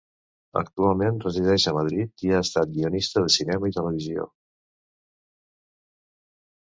Actualment resideix a Madrid i ha estat guionista de cinema i televisió.